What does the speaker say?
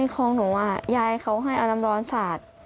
ต้องยายเขาให้เอาน้ำร้อนสะอาด